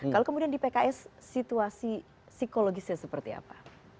kalau kemudian di pks situasi psikologisnya seperti apa